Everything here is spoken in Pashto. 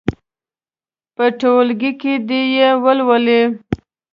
په ټولګي کې دې یې ولولي.